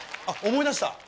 あっ思い出した。